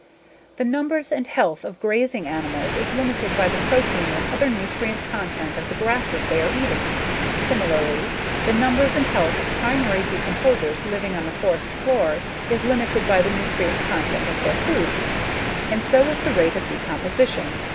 The numbers and health of grazing animals is limited by the protein and other nutrient content of the grasses they are eating, similarly the numbers and health of primary decomposers living on the forest floor is limited by the nutrient content of their food. And so is the rate of decomposition.